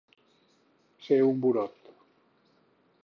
Ser un burot.